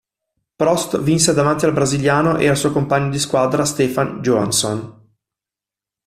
Prost vinse davanti al brasiliano e al suo compagno di squadra Stefan Johansson.